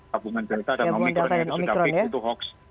tabungan data dan omikronnya sudah big itu hoax